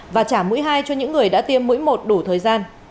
và trả mũi hai cho những người đã tiêm mũi một đủ thời gian